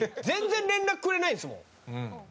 全然連絡くれないですもん。